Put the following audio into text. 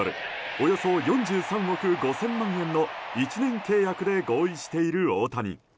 およそ４３億５０００万円の１年契約で合意している大谷。